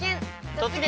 「突撃！